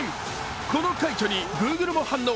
この快挙にＧｏｏｇｌｅも反応。